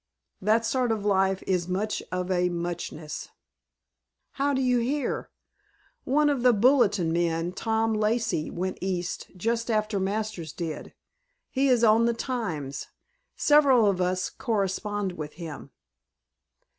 "That sort of life is much of a muchness." "How do you hear?" "One of the Bulletin men Tom Lacey went East just after Masters did. He is on the Times. Several of us correspond with him."